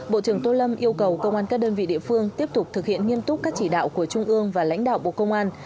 bộ trưởng tô lâm yêu cầu công an các đơn vị địa phương tiếp tục thực hiện nghiêm túc các chỉ đạo của trung ương và lãnh đạo bộ công an